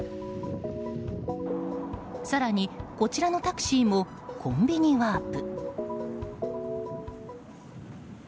更に、こちらのタクシーもコンビニワープ。